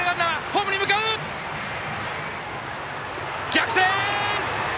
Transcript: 逆転！